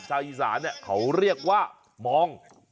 ชาวอีสานเขาเรียกว่ามอง